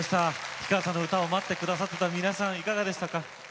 氷川さんの歌を待ってくださっていた皆さんいかがでしたか。